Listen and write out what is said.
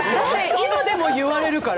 今でも言われるから。